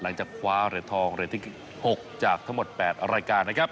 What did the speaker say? หลังจากคว้าเหรียญทองเหรียญที่๖จากทั้งหมด๘รายการนะครับ